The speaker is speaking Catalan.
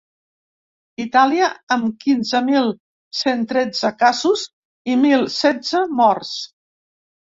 Itàlia, amb quinze mil cent tretze casos i mil setze morts.